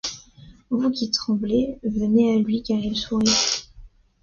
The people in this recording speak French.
Vous qui tremblez, venez à lui car il sourit.